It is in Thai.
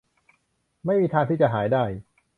ไม่มีทางที่จะหายได้